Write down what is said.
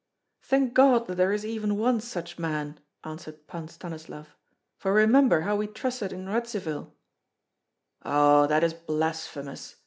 "Thank God that there is even one such man," answered Pan Stanislav, "for remember how we trusted in Radzivill." "Oh that is blasphemous!"